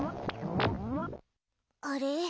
あれ？